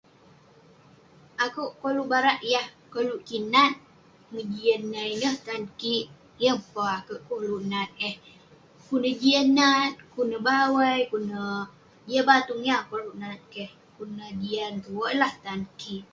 Akuek koluk barak yah koluek kik nat ngejian tan ineh tan kik yeng peh akuek koluk nat eh pun eh Jian nat pun eh bawai pun eh ne Jian batung yeng akuek koluk nat keh dukuk nah jian tuek lah tan kik